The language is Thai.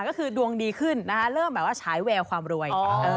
ก็คือดวงดีขึ้นนะคะเริ่มแบบว่าฉายแววความรวย